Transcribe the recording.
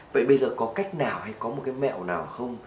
vậy bây giờ có cách nào hay có một cái mẹo nào không